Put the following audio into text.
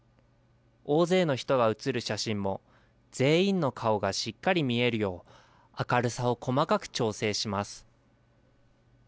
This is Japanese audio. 大勢の人が写る写真も全員の顔がしっかり見えるよう、明るさを細かく調整します。